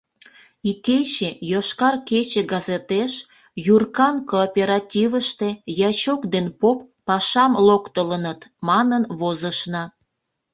Икече «Йошкар кече» газетеш Юркан кооперативыште ячок ден поп пашам локтылыныт манын возышна.